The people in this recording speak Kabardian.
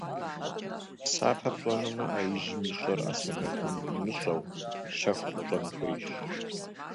Псапэ пщӏэнумэ, ӏэ ижьым ищӏэр ӏэ сэмэгум имыщӏэу, щэхуу пщӏэн хуейщ.